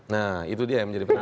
nah itu dia yang menjadi pertanyaan